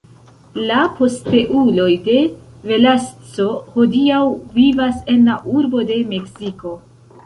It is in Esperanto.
La posteuloj de Velasco hodiaŭ vivas en la urbo de Meksiko.